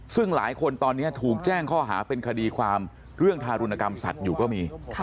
ซึ่งหลายคนตอนนี้ถูกแจ้งข้อหาเป็นคดีความเรื่องทารุณกรรมสัตว์อยู่ก็มี